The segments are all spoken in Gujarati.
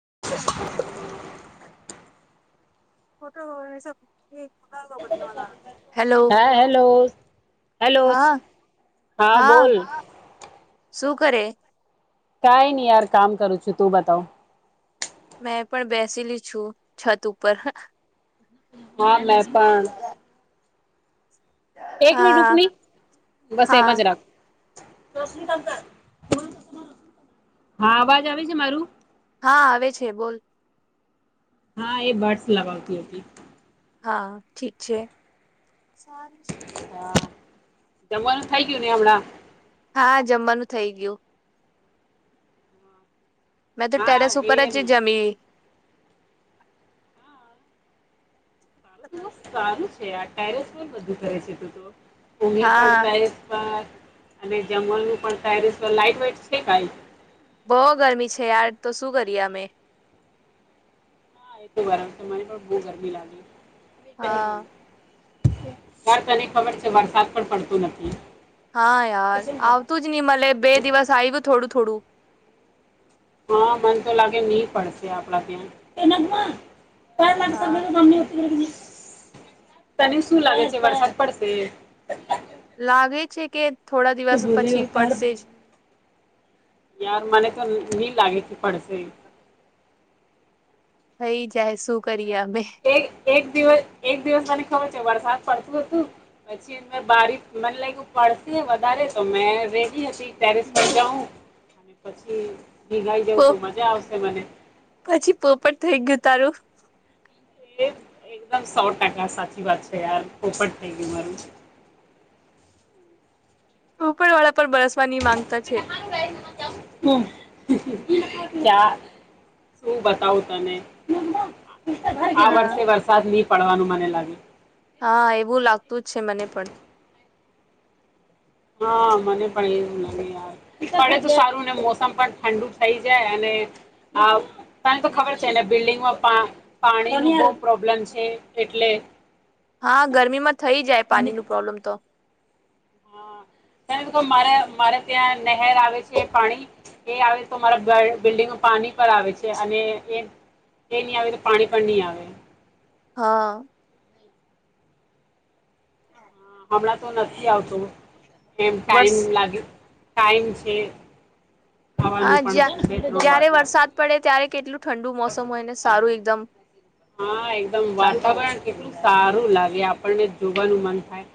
[inaudible] ફોટો એ સબ હા હેલો હેલો હા હા બોલ શું કરે કઈ નહી યાર કામ કરું છું તું બતાવ મેં પણ બેસેલી છું છત ઉપર હા મે પણ એક મિટ રૂક હા ની બસ એ મજ હા રાખ હા અવાજ આવે છે મારું હા આવે છે બોલ હા એ બર્ડ્સ લગાવતી હતી. હા ઠીક છે. હા જમવાનું થઇ ગયું ને હમણાં હા જમવાનું થઇ ગયું. મેં તો હા ટેરેસ ઉપર જ એમ જમી બસ સારું છે યાર ટેરસ બધું કરે છે તું તો ઉધીએ પણ હા ટેરેસ પર અને જમવાનું પણ ટેરેસ પર લાઈટવાઇટ છે કઈ બહુ ગરમી છે યાર તો શું કરીએ અમે હા એ તો બર તમારી પણ બહુ ગરમી લાગી હા વાર તને ખબર છે વરસાદ પણ પડતો નથી. હા યાર આવતું જ નહી મલે બે દિવસ આવ્યું થોડું થોડું. હા મન તો લાગે નહી પડશે આપડા ત્યા એના [unintelligible] પ લ સમમે હા સા ઉત [unintelligible] તને શું લાગે છે વરસાદ પડશે? લાગે છે કે થોડા દિવસ પછી પડશે જ યાર મને તો ની લાગે છે પડશે થઈ જાય શું કરી એક એક દિવસ એક દિવસ મને ખબર છે વરસાદ પડતું હતું પછી બારી મને લાગ પડશે વધારે તો મે રેડી હતી ટેરેસ જઉં અને પછી ભીગાઈ જવું તો મજા આવશે મને પછી પોપટ થઈ ગયું તારું એ એકદમ સો ટકા સાચી વાત છે યાર પોપટ થઈ ગઈ મારું [inaudible] ઉપર વાળા પર બરસવાની માંગતા છે. ક્યાં શું બતાવું તને આ હા વર્ષે વરસાદ નહી પડવાનું મને લાગે હા એવું લાગતું જ છે મને પણ હા મને પણ એવું યાર પણડે તોું સારું ને મોસમ પણ ઠંડુ થઈ જાય અને હ તને તો ખબર છે ને બિલ્ડિંગમાં પા પાણી ની બઉ પ્રોબ્લેમ છે એટલે હા ગરમીમાં થઈ જાય પાણી નો પ્રોબ્લેમ તો [inaudible] ત્યારે તો કહું મારે મારે ત્યાં નહેર આવે છે પાણી એ આવે તો મારા [unintelligible] બિલ્ડિંગમાં પાણી પર આવે છે અને એ એ નહી આવે તો પાણી પણ નહી આવે. હા. હમણા તો નથી આવતો એમ ટાઈમ વર્ષ લાગ્યો ટાઈમ છે. હા ખાવાનું જ્યાં પણ બે ત્રણ વાર જય્યારે લાગશે વરસાદ પડે ત્યારે કેટલું ઠંડુ મોસમ હોય ને સારું એકદમ. હા, એકદમ વાતાવરણ કેટલું સારું લાગે આપણને જોવાનું મન થાય.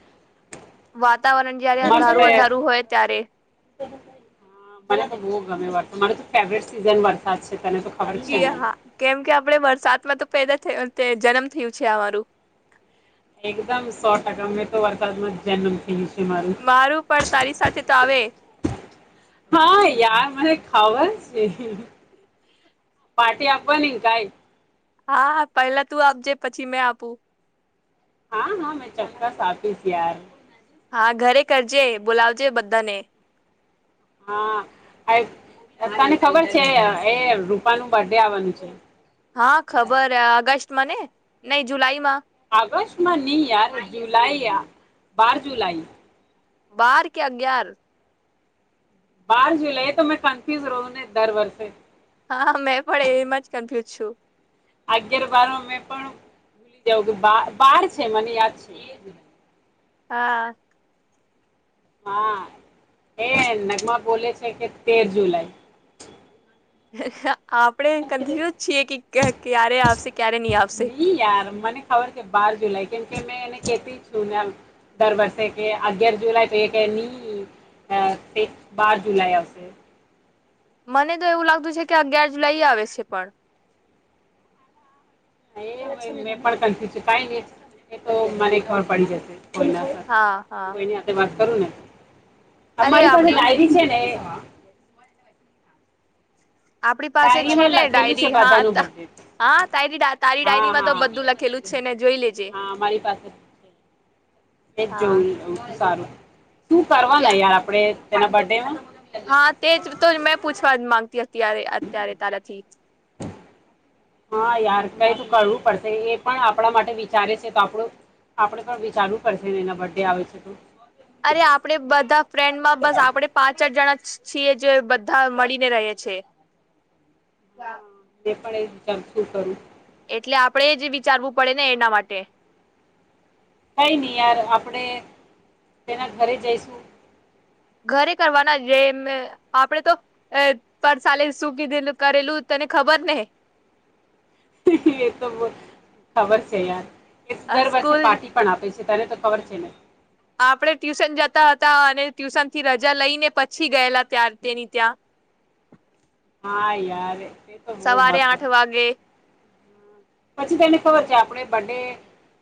વાતાવરણ જયારે મસ્ત અંધારું એ અંધારું હોય ત્યારે. હા, મને તો બવ ગમે વર મારો તો ફેવરેટ સીઝન વરસાદ છે. તને તો ખબર છે જી ને. હા કેમ કે આપડે વરસાદમાં તો પેદા થયા તે જન્મ થયો છે અમારું. એકદમ સો ટકા મેં તો વરસાદમાં જન્મ થી થી મારું. પણ તારી સાથે તો આવે હા યાર મને એક ખવા છે. પાર્ટી આપવાની કાઈ. હા, પહેલા તું આપજે પછી મેં આપું. હા હા મેં ચક્કસ આપીશ યાર. હા, ઘરે કરજે બોલાવજે બધાને. હા, આ તને ખબર છે એ રૂપા નું બર્થડે આવવાનું છે? હા, ખબર ઓગસ્ટ માં ને નઈ જુલાઈ માં. ઓગસ્ટમાં ની યાર જુલાઈ યા બાર જુલાઈ. બાર કે અગિયાર? બહાર જ લઈએ તો મે કન્ફ્યુઝ રહું ને દર વર્ષે. હા, મેં પણ એમાં જ કન્ફ્યુઝ છું. અગિયાર બાર મે પણ ભૂલી જવ કે બા બાર છે મને યાદ છે. હા. હા, એ નગમા બોલે છે કે તેર જુલાઈ. આપણેે કોન્ફુસ્ છીએ કે ક ક્યારે આવશે. ક્યારે નહી આવશે. નહીયાર મને ખબર કે બાર જુલાઈ કેમ કે મેં એને કેતી છું મેમ દર વર્ષે કે અગિયાર જુલાઈ તો એકે ની અ તે બાર જુલાઈ આવશે. મને તો એવું લાગતું છે કે અગિયાર જુલાઈ આવે છે પણ. એ મે પણ કન્ફ્યુ છું કઈ ન એ તો મને ખબર પડી જશે. કોઈના હા હા કોઈની સાથે વાત કરું ને અરે અમારી પાસે આપડી ડાયરી છે ને આપડી પાસે છે ડાયરીમાં ને લખેલું છે ડાયરી હા. બધાનું બર્થડે હા, તારી તારી હા ડાયરીમાં તો હા બધું લખેલું જ છે ને જોઈ લેજે. હા મારી પાસે એ હા જોવું લીધું સારું. શું કરવા ને ક્યાં યાર આપડે તેના બર્ડે માં? હા, તેજ તો મેં પૂછવા માંગતી અત્યારે અત્યારે તારાથી. હા યાર, કઈ તું કરવું પડશે એ પણ આપણા માટે વિચારે છે તો આપણુ આપડે પણ વિચારવું પડશે ને એના બર્ડે આવે છે તો. અરે આપડે બધા ફ્રેન્ડમાં બસ આપડે પાંચ આઠ જણા છીએ જે બધા મળીને રહે છે. તે પણ એ જ વિચારું શું કરું. એટલે આપણેે જ વિચારવું પડે ને એના માટે. કઈ નહી યાર આપણેે તેના ઘરે જઈશું. ઘરે કરવાના જેમ આપડે તો અ પરસાલે સુ કીધેલુ કરેલું તને ખબર ને. એ એ તો ખબર છે યાર. એ તો દર વર્ષે સ્કૂલ પાર્ટી પણ આપે છે તને તો ખબર છે ને આપડે ટ્યુશન જતા હતા અને ટ્યુશન થી રજા લઈને પછી ગયેલા ત્યાાર તેની ત્યાં હા યાર. એ તો બહુ સવારે મસ્ત આઠ વાગે પછી તેને ખબર છે આપણે બડે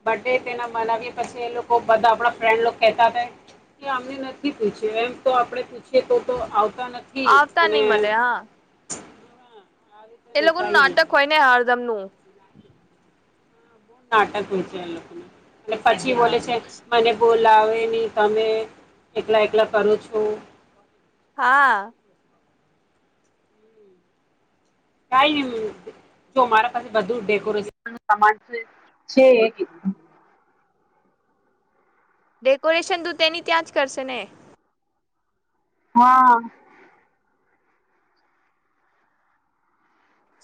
બર્ ડે તેના મનાવી પછી એ લોકો બધા આપણા ફ્રેન્ડ કહેતા હતા. કે આમને નથી પૂછે એમ તો આપડણે પૂછીએ તો તો તા નથી આવતા નઈ અને મળે હા આ રીતે એ લોકોનું નીકાઈ નહી નાટક હોય ને હરદમનુંું બહુ નાટક હોય છે એ લોકો અને પછી હા બોલે છે મને બોલ લાવેની તમે એકલા એકલા કરો છો. [inaudible] કઈ જો મારા પાસે બુ ડેકોરેશન સામાન છે. ડેકોરેશન તું તેની ત્યાં જ કરશે ને હા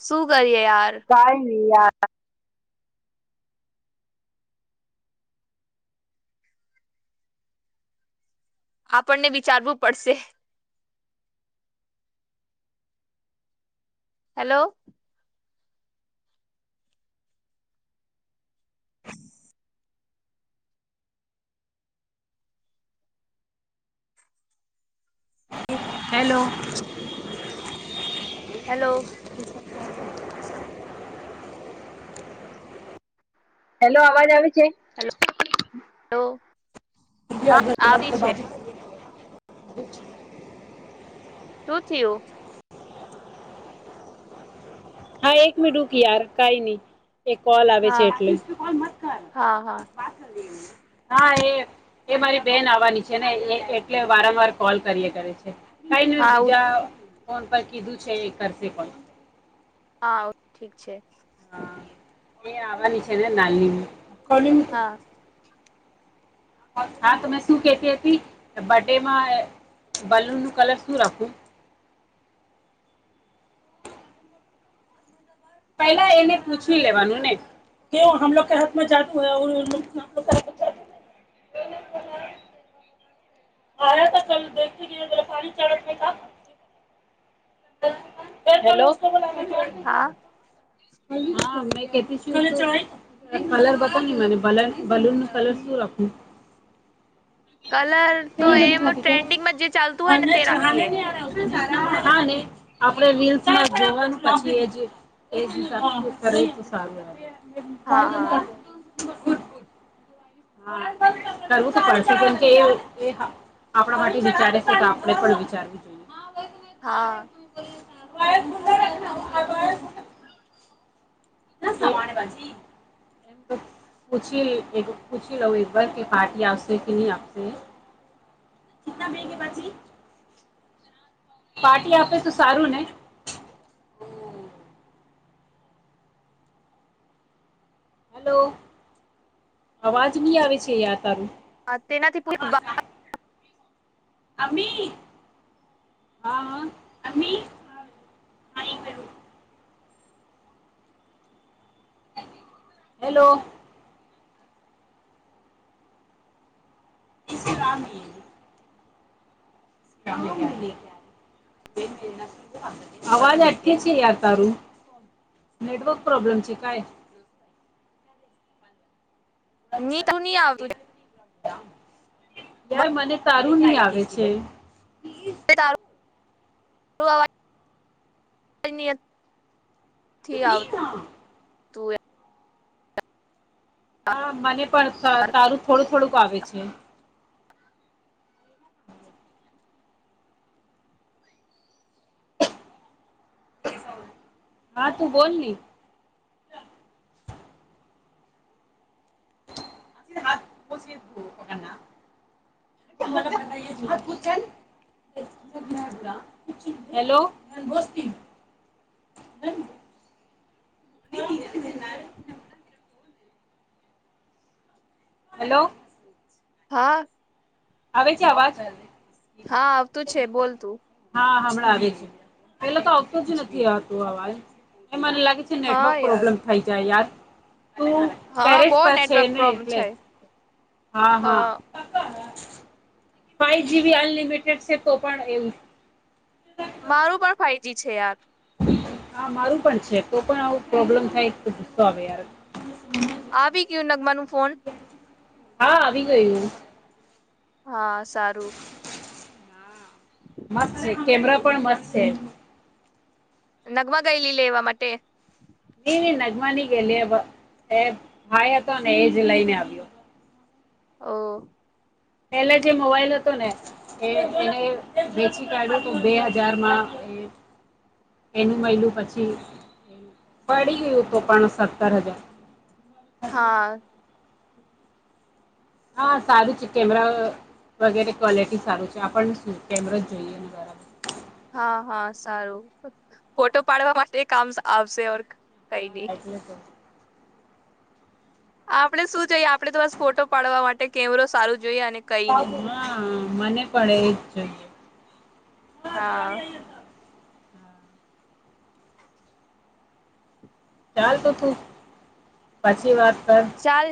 શું કરીએ યાર યા આપણને વિચારવું પડશે હેલો હેલો હેલો હેલો અવાજ આવે છે હેલો હા આવતી છે બા [inaudible] બછ શું થયું હા એક મે રૂકી યાર કઈ નહી એક કોલ આવે છે હા એટલેત હા હા હા એ એ મારી બેન આવવાની છે ને એ એટલે વારંવાર કોલ કરીએ કરે છે કાઈ ને હા ઉ- બીજા ફોન પર કીધું છે એ કરશે પણ હા ઠીક છે હા એ આવવાની છે નામલી હા હા તો મેં શું કેતી હતી બર્ ડેમાં બાલુન નું કલર શું રાખું પેલા એને પૂછી લેવાનું ને કેવુંમગ કે હાથમાં જાદય હથમાં જા આયા તો કલ દતીફારી ચક હેલો હા હા મે કલર બતા નહી મને બલ બલૂન નું કલર શું રાખવું કલર તો બધી એમ ખાતી ચાલો ટ્રેન્ડિંગમાં જે ચાલતું હોય ને તે રાખીએ હા આપણે રીસ જવ પછી સારું હા હા [inaudible] હા કરવું તો પડશે કેમકે એ આપણા માટે વિચારે છે તો આપણે પણ વિચારવીું જોઈએ હા [inaudible] ના સમારે બાજી એ કછી એક પછી લો એકબર કે પાર્ટિયા આપશે કે ન આપશે જના બેગે ભછી પાર્ટી આપે તો સારું ને હલો અવાજ નહી આવે છે યા તારું હા તેનાથી પ અમી હા હ અમી એ છે હેલો ઇલામી લ અવાજ અટ્યા છેતાર નેટવર્ક પ્રોબ્લેમ છે કઈ ની તું નહી આવતું. યાર મને તારું નહી આવે છે. [unintelligible] [inaudible] ન ક [inaudible] તું એ હા મને પણ તારું થોડું થોડુંક આવે છે. હા તું બોલ નથી. છી હથ પછી દ [inaudible] ન [inaudible] હલો. હમ [inaudible] [unintelligible] [inaudible] હેલો હા. હવે છે, અવાજ હ હા આવતું છે, બોલતું હા હમણાં પેલા તો આવતો જ નથી, આવતો અવાજ એ મને લાગે. હા નેટવર્ક યાર પ્રોબ્લેમ થઈ જાય યાર. હું હા ટેરેસ બહુ પર છે, નેટવર્ક ને પ્રોબ્લેમ એટલે છે હા, હ હા. ફાઈવ જીબી અનલિમિટેડ છે, તો પણ એવું. મારું પણ ફાઈવજી છે, યાર હા મારું પણ છે, કો પણ આવું પ્રોબ્લેમ થાય તો ગુસ્સો આવે યાર. આવી કયું નગમાનું ફોન હા આવી ગયું. હા સારું. મસ્ત છે, કેમરા પણ મસ્ત છે. નગમા ગઈલી લે એવા માટે નઈ નઈ નગમાની ગેલી એ ભાઈ હતો ને એ જ લઈને આવ્યો. હા [inaudible] પેલા જે મોબાઈલ હતો ને એ એને વેચી કાઢ્યું તું બે હજારમાં એ [unintelligible] [inaudible] એનું મહિલું પછી પડી ગયું, તો પણ સત્તર હજાર હા [inaudible] હા સારું છે, કેમરા વગેરે ક્વોલિટી સારું છે, આપણને શું કેમરો જોઈએ બરાબર હા હા સારું ફોટો પાડવા માટે કામ આવશે, ઓ હા એટલે તો આપણે શું જોઈએ, આપડે તો બસ ફોટો પાડવા માટે કેમરો સારું જોઈએ અને કઈ નહી હા, મને પણ એજ જોઈએ. હા ના [unintelligible] ચાલ તો તું પછી વાત કર ચાલ.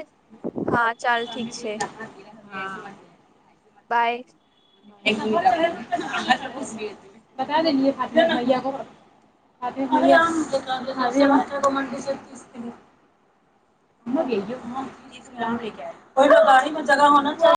હા ચાલ ઠીક છે [unintelligible] બાય. બ દાયા [unintelligible] [unintelligible] તે કો ગાડીમાં જગ હું ના ચાહિયે.